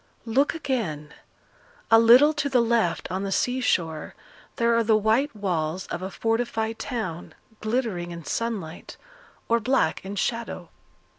Look again; a little to the left on the sea shore there are the white walls of a fortified town, glittering in sunlight, or black in shadow.